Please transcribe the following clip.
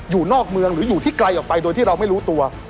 อยู่นอกเมืองหรืออยู่ที่ไกลออกไปโดยที่เราไม่รู้ตัว